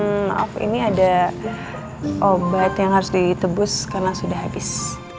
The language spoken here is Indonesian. mohon maaf ini ada obat yang harus ditebus karena sudah habis